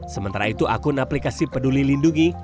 sementara itu akun aplikasi peduli lindungi